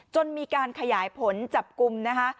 จนมีการขยายผลจับกลุ่มนะคะ